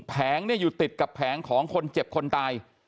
แงอยู่ติดกับแผงของคนเจ็บคนตาย